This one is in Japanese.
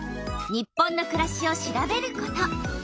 「日本のくらし」を調べること。